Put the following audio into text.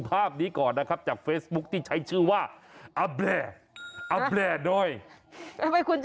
ประหยัดบ้างอะไรบ้างดิ